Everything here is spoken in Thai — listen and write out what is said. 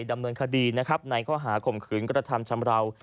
ดำเนินคดีนะครับในข้อหาข่มขืนกระทำชำราว